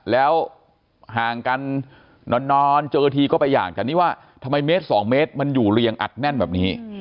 แล้วห่างกันนอนเจอทีก็ไปหย่างแต่นี่ว่าทำไมเมตร๒เมตรมันอยู่เรียงอัดแน่นแบบนี้